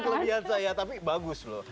kelebihan saya tapi bagus loh